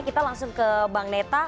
kita langsung ke bang neta